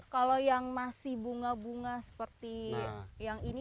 kalau yang masih bunga bunga seperti yang ini